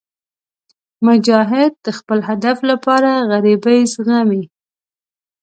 مجاهد د خپل هدف لپاره غریبۍ زغمي.